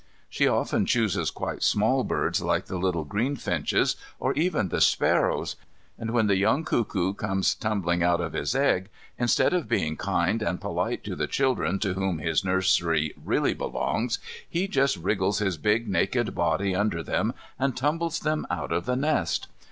She often chooses quite small birds like the little greenfinches or even the sparrows. And when the young cuckoo comes tumbling out of his egg, instead of being kind and polite to the children to whom his nursery really belongs he just wriggles his big naked body under them and tumbles them out of the nest.